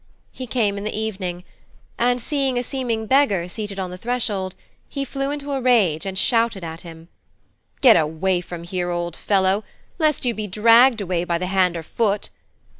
He came in the evening, and seeing a seeming beggar seated on the threshold, he flew into a rage and shouted at him: 'Get away from here, old fellow, lest you be dragged away by the hand or foot.